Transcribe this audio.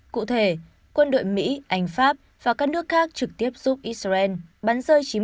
cụ thể quân đội mỹ anh pháp và các nước khác trực tiếp giúp israel bắn rơi chín mươi chín